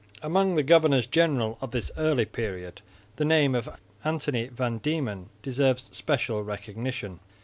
Among the governors general of this early period the name of Antony van Diemen (1636 45) deserves special recognition.